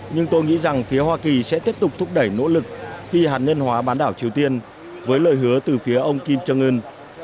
nhưng tôi nghĩ rằng phía hoa kỳ sẽ tiếp tục thúc đẩy nỗ lực phi hạt nhân hóa bán đảo triều tiên với lời hứa từ phía ông kim jong un